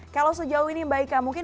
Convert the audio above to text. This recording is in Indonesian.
kalau sejauh ini mbak ika mungkin